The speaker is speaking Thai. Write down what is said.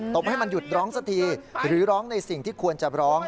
บให้มันหยุดร้องสักทีหรือร้องในสิ่งที่ควรจะร้อง